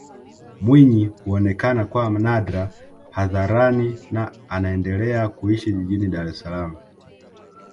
Mwinyi huonekana kwa nadra hadharani na anaendelea kuishi jijini Dar es Salaam